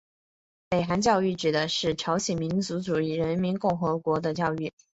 北韩教育指的是朝鲜民主主义人民共和国的教育。